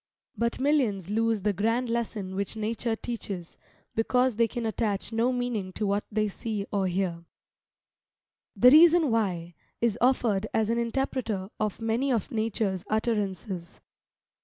But millions lose the grand lesson which Nature teaches, because they can attach no meaning to what they see or hear. "THE REASON WHY" is offered as an interpreter of many of Nature's utterances.